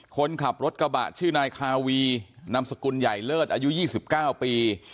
คนขับรถกระบะชื่อนายคาวีนามสกุลใหญ่เลิศอายุ๒๙ปี